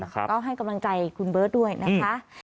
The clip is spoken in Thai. ก็ให้กำลังใจคุณเบิร์ตด้วยนะคะ